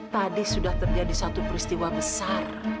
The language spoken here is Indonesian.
tadi sudah terjadi satu peristiwa besar